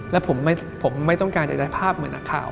และผมไม่ต้องการจะได้ภาพเหมือนนักข่าว